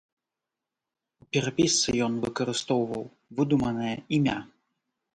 У перапісцы ён выкарыстоўваў выдуманае імя.